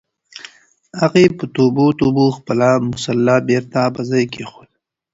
هغې په توبو توبو خپله مصلّی بېرته په ځای کېښوده.